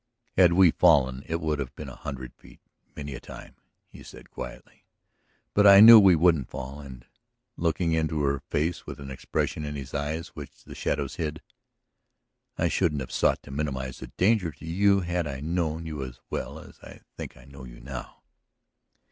..." "Had we fallen it would have been a hundred feet, many a time," he said quietly. "But I knew we wouldn't fall. And," looking into her face with an expression in his eyes which the shadows hid, "I shouldn't have sought to minimize the danger to you had I known you as well as I think I know you now."